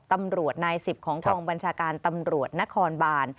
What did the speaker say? ตำรวจนาย๑๐ของกองบัญชาการตำรวจนครบาน